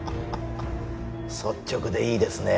率直でいいですね。